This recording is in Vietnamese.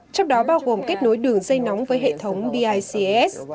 trong đó bao gồm kết nối đường dây nóng với hệ thống bics